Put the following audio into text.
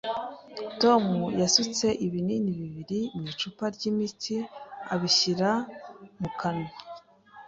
Tom yasutse ibinini bibiri mu icupa ry’imiti abishyira mu kanwa